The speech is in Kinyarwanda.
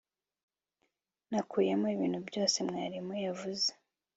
Nakuyeho ibintu byose mwarimu yavuze